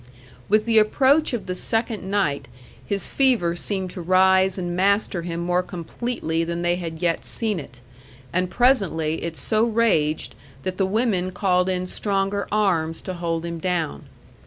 With the approach of the second night his fever seemed to rise and master him more completely than they had yet seen it, and presently it so raged that the women called in stronger arms to hold him down.